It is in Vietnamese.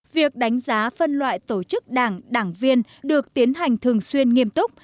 việc đánh giá phân loại tổ chức đảng đảng viên được tiến hành thường xuyên nghiêm túc